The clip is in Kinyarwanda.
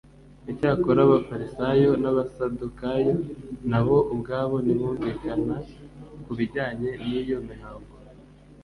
icyakora abafarisayo n’abasadukayo na bo ubwabo ntibumvikana ku bijyanye n’iyo mihango